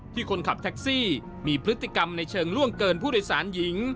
คนขับแท็กซี่มีพฤติกรรมในเชิงล่วงเกินผู้โดยสารหญิง